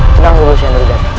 tenang dulu syed nurjati